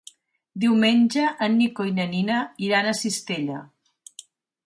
Diumenge en Nico i na Nina iran a Cistella.